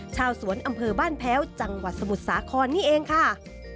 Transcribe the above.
ชาวสวนอำเภอบ้านแพ้วจังหวัดสมุทรสาครนี่เองค่ะ